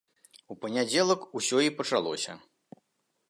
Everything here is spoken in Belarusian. У панядзелак усё і пачалося.